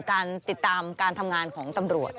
การติดตามการทำงานของตำรวจ